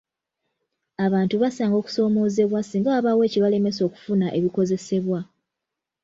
Abantu basanga okusoomoozebwa singa wabaawo ebibalemesa okufuna ebikozesebwa.